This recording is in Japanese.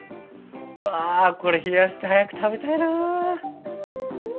うわこれ冷やして早く食べたいな。